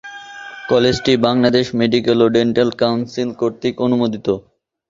কলেজটি বাংলাদেশ মেডিকেল ও dental council কর্তৃক অনুমোদিত।